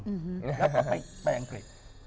แล้วก็ไปอังกฤษ